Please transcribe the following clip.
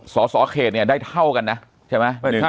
สสเขตเนี่ยได้เท่ากันนะใช่ไหม